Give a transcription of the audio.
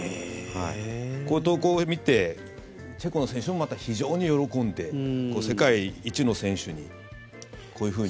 この投稿を見てチェコの選手もまた非常に喜んで世界一の選手にこういうふうに。